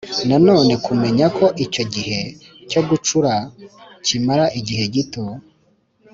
Nanone kumenya ko icyo gihe cyo gucura kimara igihe gito